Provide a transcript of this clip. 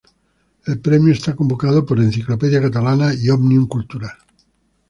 El premio es convocado por Enciclopedia Catalana y Òmnium Cultural.